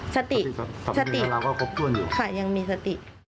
สติสติค่ะยังมีสติ